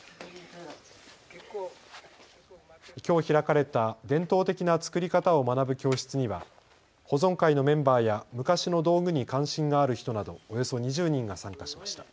きょう開かれた伝統的な作り方を学ぶ教室には保存会のメンバーや昔の道具に関心がある人などおよそ２０人が参加しました。